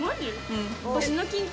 うん。